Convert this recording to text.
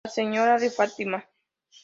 La señora de Fátima